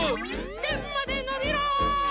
てんまでのびろ！